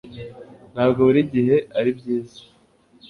Ntabwo buri gihe ari byiza